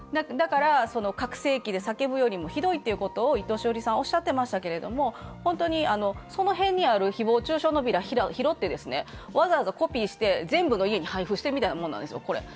拡声器で叫ぶよりもひどいということを伊藤詩織さんはおっしゃっていましたけど、本当にその辺にある誹謗中傷のビラを拾ってわざわざコピーして全部の家に配布してるみたいなものなんですよ、これ。